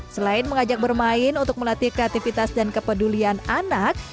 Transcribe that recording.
selain mengajak bermain untuk melatih kreativitas dan kepedulian anak